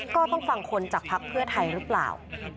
ก็ต้องฟังคนจากภักดิ์เพื่อไทยหรือเปล่า